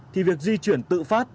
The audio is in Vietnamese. thì việc di chuyển tự phát